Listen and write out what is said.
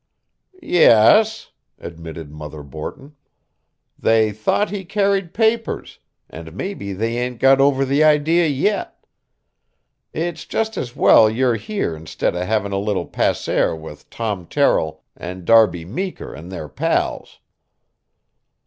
"Yes," admitted Mother Borton; "they thought he carried papers, and maybe they ain't got over the idea yit. It's jest as well you're here instid of having a little passear with Tom Terrill and Darby Meeker and their pals."